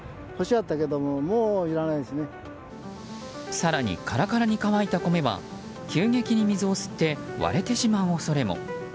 更に、カラカラに乾いた米は急激に水を吸って割れてしまう恐れも。